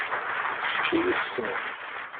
D kečč i y-isseknen.